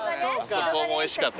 あそこおいしかった。